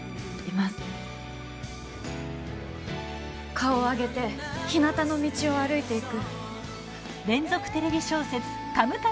顔を上げてひなたの道を歩いていく。